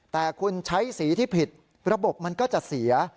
แต่คุณใช้สีที่ผิดระบบมันก็จะเสีย